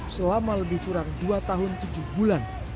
selama lebih kurang dua tahun tujuh bulan